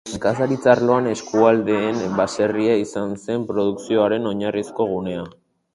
Nekazaritza arloan, eskualdean, baserria izan zen produkzioaren oinarrizko gunea.